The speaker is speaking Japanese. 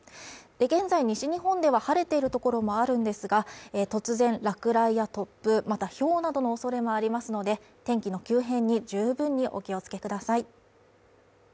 現在西日本では晴れているところもあるんですが突然落雷や突風、またひょうなどのおそれもありますので、天気の急変に十分にお気をつけください。